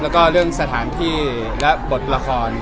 แล้วก็เรื่องสถานที่และบทละคร